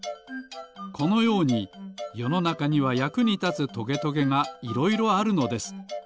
このようによのなかにはやくにたつトゲトゲがいろいろあるのです。